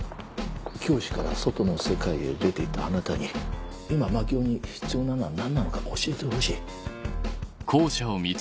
教師から外の世界へ出て行ったあなたに今槙尾に必要なのは何なのか教えてほしい。